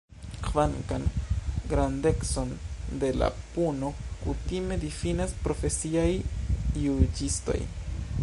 Kvankam grandecon de la puno kutime difinas profesiaj juĝistoj.